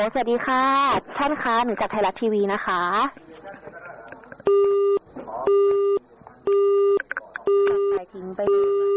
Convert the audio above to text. จัดได้ทิ้งไป